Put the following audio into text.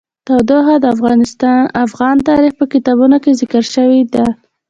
تودوخه د افغان تاریخ په کتابونو کې ذکر شوی دي.